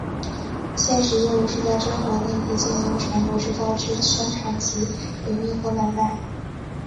现时业务是在中国内地经营船舶制造之生产及营运和买卖。